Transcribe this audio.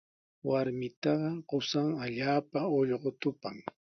Warmitaqa qusan allaapa ullqutupaq.